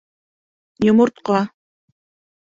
Йомортҡа